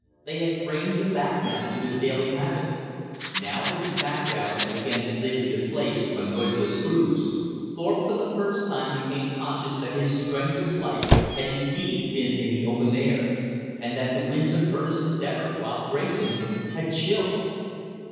They had framed the background to his daily habit. Now that the background had again slid into place on noiseless grooves, Thorpe for the first time became conscious that his strenuous life had indeed been in the open air, and that the winds of earnest endeavor, while bracing, had chilled.